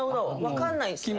分かんないんすね。